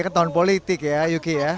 ketahuan politik ya yuki ya